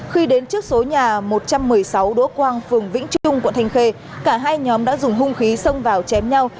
khi đến trước số nhà một trăm một mươi sáu đỗ quang phường vĩnh trung quận thanh khê cả hai nhóm đã dùng hung khí xông vào chém nhau